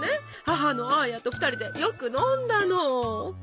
母のアーヤと２人でよく飲んだの。